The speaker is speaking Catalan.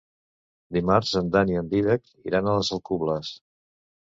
Dimarts en Dan i en Dídac iran a les Alcubles.